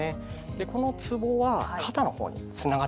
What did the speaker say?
でこのつぼは肩の方につながってくるんですよね。